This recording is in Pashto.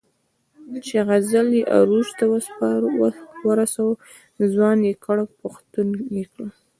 چې غزل یې عروج ته ورساوه، ځوان یې کړ، پښتون یې کړ.